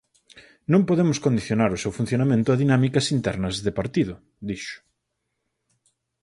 Non podemos condicionar o seu funcionamento a dinámicas internas de partido, dixo.